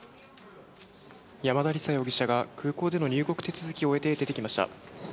山田李沙容疑者が、空港での入国手続きを終えて出てきました。